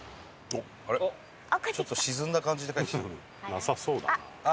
なさそうだなあ。